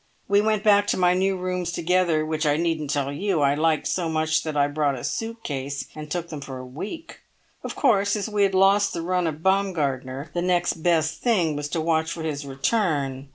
We went back to my new rooms together, which I needn't tell you I liked so much that I brought a suit case and took them for a week. Of course, as we had lost the run of Baumgartner, the next best thing was to watch for his return.